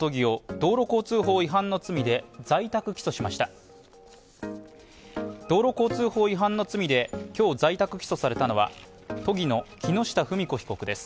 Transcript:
道路交通法違反の罪で今日在宅起訴されたのは、都議の木下富美子被告です。